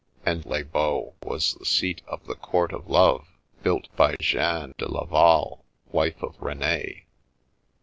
And Les Baux was the seat of the Court of Love, built by Jeanne de Laval, wife of Rene.